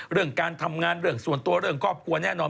เรื่องการทำงานเรื่องส่วนตัวเรื่องครอบครัวแน่นอน